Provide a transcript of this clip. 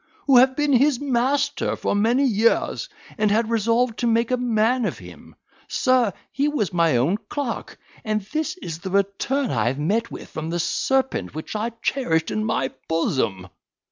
who have been his master for many years, and had resolved to make a man of him. Sir, he was my own clerk, and this is the return I have met with from the serpent which I cherished in my bosom."